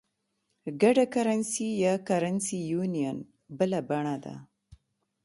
ګډه کرنسي یا Currency Union بله بڼه ده.